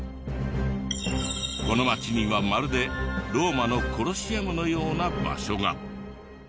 この街にはまるでローマのコロシアムのような場所が。